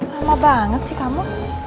lama banget sih kamu